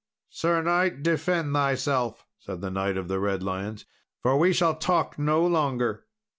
"Sir knight, defend thyself," said the Knight of the Redlands, "for we will talk no longer."